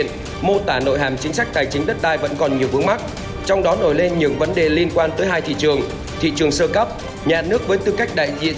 thứ hai thị trường thị trường sơ cấp nhà nước với tư cách đại diện